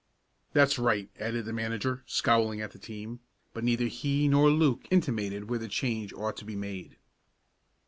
"That's right," added the manager scowling at the team, but neither he nor Luke intimated where the change ought to be made.